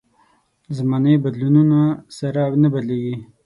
زمانې بدلونونو سره نه بدلېږي.